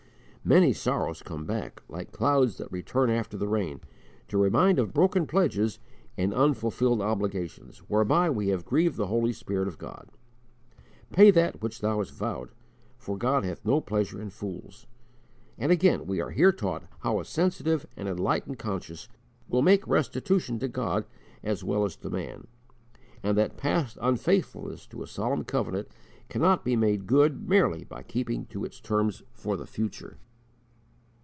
Many sorrows come back, like clouds that return after the rain, to remind of broken pledges and unfulfilled obligations, whereby we have grieved the Holy Spirit of God. "Pay that which thou hast vowed; for God hath no pleasure in fools." And again we are here taught how a sensitive and enlightened conscience will make restitution to God as well as to man; and that past unfaithfulness to a solemn covenant cannot be made good merely by keeping to its terms _for the future.